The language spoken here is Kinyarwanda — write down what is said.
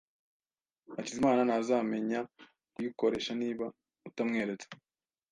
Hakizimana ntazamenya kuyikoresha niba utamweretse.